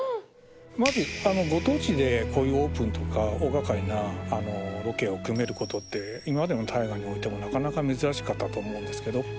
まずご当地でこういうオープンとか大がかりなロケを組めることって今までの「大河」においてもなかなか珍しかったと思うんですけど。